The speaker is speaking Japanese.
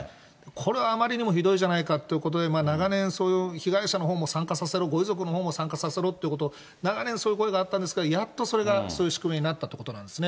これはあまりにもひどいじゃないかということで、長年、そういう被害者のほうも参加させろ、ご遺族のほうも参加させろということ、長年、そういうことがあったんですが、やっとそれが、そういう仕組みになったということなんですね。